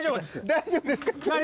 大丈夫です。